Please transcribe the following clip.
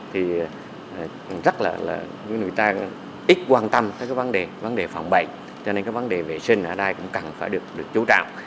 thì rất là người ta ít quan tâm tới vấn đề phòng bệnh cho nên vấn đề vệ sinh ở đây cũng cần phải được chú trọng